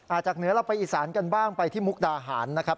จากเหนือเราไปอีสานกันบ้างไปที่มุกดาหารนะครับ